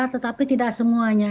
tetapi tidak semuanya